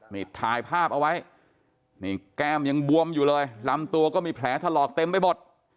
นี่ถ่ายภาพเอาไว้นี่แก้มยังบวมอยู่เลยลำตัวก็มีแผลถลอกเต็มไปหมด